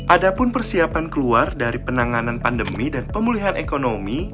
ada pun persiapan keluar dari penanganan pandemi dan pemulihan ekonomi